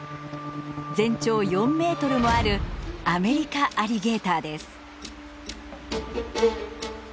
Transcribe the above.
全長４メートルもあるアメリカアリゲーターです。